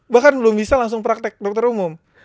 bahkan belum bisa langsung praktek dokter umum